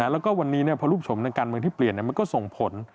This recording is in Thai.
นะแล้วก็วันนี้เนี้ยพอรูปโฉมทางการเมืองที่เปลี่ยนเนี้ยมันก็ส่งผล